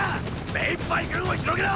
目いっぱい軍を広げろ！